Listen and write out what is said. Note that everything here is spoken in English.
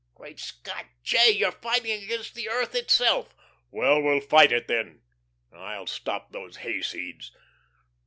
Great Scott, J., you're fighting against the earth itself." "Well, we'll fight it, then. I'll stop those hayseeds.